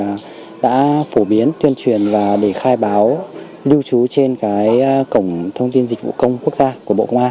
các cán bộ công an xã đông sang đã phổ biến tuyên truyền và để khai báo lưu trú trên cổng thông tin dịch vụ công quốc gia của bộ công an